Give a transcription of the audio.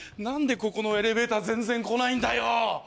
何でここのエレベーター全然来ないんだよ！